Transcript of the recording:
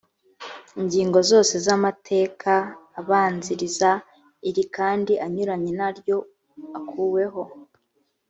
ingingo zose z amateka abanziriza iri kandi anyuranye naryo akuweho.